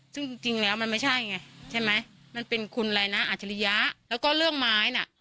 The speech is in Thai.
ซึ่งจริงแล้วมันไม่ใช่ไงใช่ไหมมันเป็นคุณอะไรนะอัจฉริยะแล้วก็เรื่องไม้น่ะ